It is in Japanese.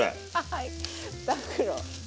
はい２袋。